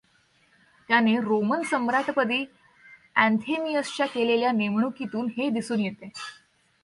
त्याने रोमन सम्राटपदी ऍन्थेमियसच्या केलेल्या नेमणुकीतुन हे दिसुन येते.